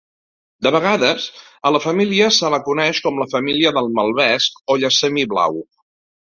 De vegades, a la família se la coneix com la família del malvesc o llessamí blau.